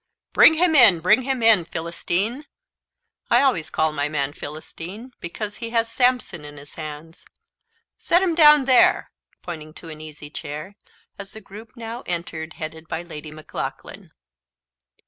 "Bring him in bring him in, Philistine! I always call my man Philistine, because he has Sampson in his hands. Set him down there," pointing to an easy chair, as the group now entered, headed by Lady Maclaughlan.